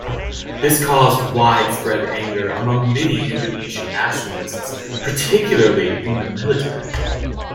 This caused widespread anger among many Indonesian nationalists, particularly in the military.